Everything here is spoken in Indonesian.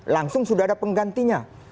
langsung sudah ada penggantinya